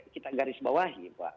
kita garis bawahi pak